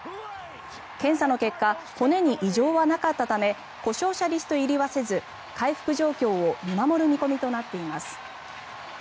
検査の結果骨に異常はなかったため故障者リスト入りはせず回復状況を見守る見込みとなっています。